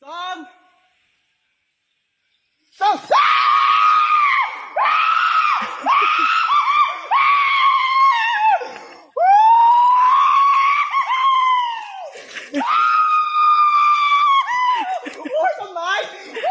โอ้ยสมัย